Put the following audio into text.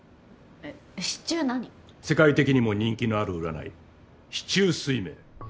世界的にも人気のある占い四柱推命。